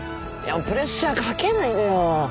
プレッシャーかけないでよ。